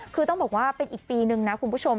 คือต้องบอกว่าเป็นอีกปีนึงนะคุณผู้ชม